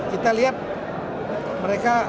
kita lihat mereka